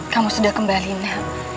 kamu sudah kembali nda